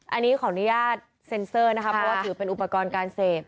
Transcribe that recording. อันนี้ขออนุญาตเซ็นเซอร์นะคะเพราะว่าถือเป็นอุปกรณ์การเสพ